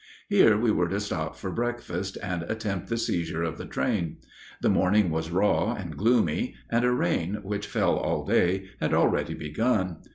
Here we were to stop for breakfast, and attempt the seizure of the train. The morning was raw and gloomy, and a rain, which fell all day, had already begun.